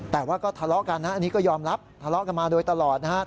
แต่ว่าก็ทะเลาะกันนะอันนี้ก็ยอมรับทะเลาะกันมาโดยตลอดนะฮะ